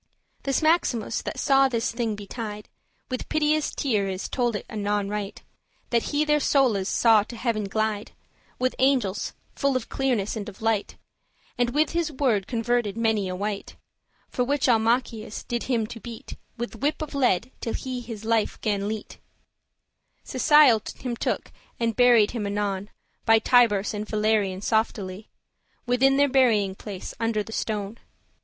This Maximus, that saw this thing betide, With piteous teares told it anon right, That he their soules saw to heaven glide With angels, full of clearness and of light Andt with his word converted many a wight. For which Almachius *did him to beat* *see note <15>* With whip of lead, till he his life gan lete.* *quit Cecile him took, and buried him anon By Tiburce and Valerian softely, Within their burying place, under the stone.